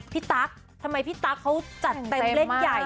ตั๊กทำไมพี่ตั๊กเขาจัดเต็มเล่นใหญ่